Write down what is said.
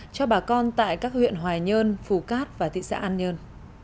cho bà con tại các huyện hoài nhơn phù cát và thị xã an nhơn